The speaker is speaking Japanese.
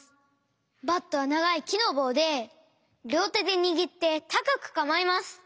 バットはながいきのぼうでりょうてでにぎってたかくかまえます。